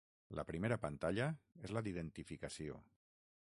La primera pantalla és la d’identificació.